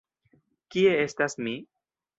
Kie estas mi?